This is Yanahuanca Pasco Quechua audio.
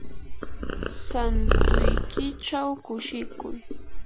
santuykichaw kushikuy.